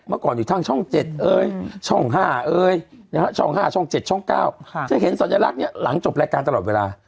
เมื่อก่อนอยู่ทางช่อง๗ช่อง๕เอ่ยช่อง๕ช่อง๗ช่อง๙จะเห็นสัญลักษณ์หลังจบรายการตลอดเวลา